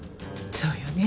そうよね。